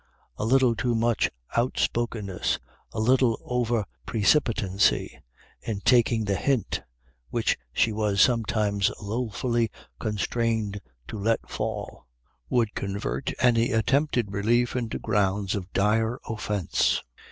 A little too much outspokenness, a little over precipitancy in taking the hint which she was sometimes lothfully constrained to let fall, would convert any attempted relief into grounds of dire offence.